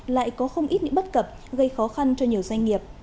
lại có không ít những bất cập gây khó khăn cho nhiều doanh nghiệp